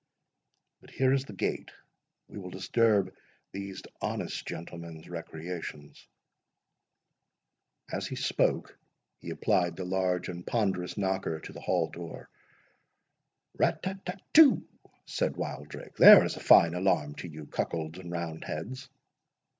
—But here is the gate—we will disturb these honest gentlemen's recreations." As he spoke, he applied the large and ponderous knocker to the hall door. "Rat tat tat too!" said Wildrake; "there is a fine alarm to you cuckolds and round heads."